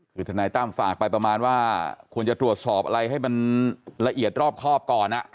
คือทนายตั้มฝากไปประมาณว่าควรจะตรวจสอบอะไรให้มันละเอียดรอบครอบก่อน